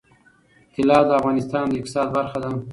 طلا د افغانستان د اقتصاد برخه ده.